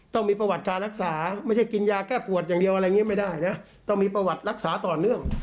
ต้องมีประวัติการรักษาไม่ใช่กินยาแก้ปวดอย่างเดียวอะไรอย่างนี้ไม่ได้นะต้องมีประวัติรักษาต่อเนื่อง